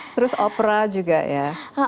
terus opera juga ya